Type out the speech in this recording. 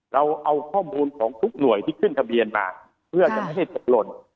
เราเอาข้อมูลของทุกหน่วยที่ขึ้นทะเบียนมาเพื่อจะไม่ให้ตกหล่น